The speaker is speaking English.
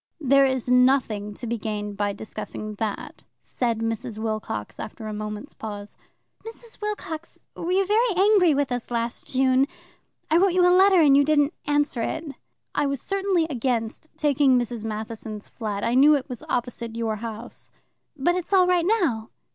"There is nothing to be gained by discussing that," said Mrs. Wilcox after a moment's pause. "Mrs. Wilcox, were you very angry with us last June? I wrote you a letter and you didn't answer it." "I was certainly against taking Mrs. Matheson's flat. I knew it was opposite your house." "But it's all right now?"